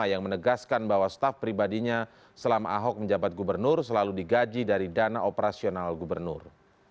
yang menegaskan bahwa staff pribadinya selama ahok menjabat gubernur selalu digaji dari dana operasional gubernur